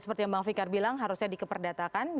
seperti yang bang fikar bilang harusnya dikeperdatakan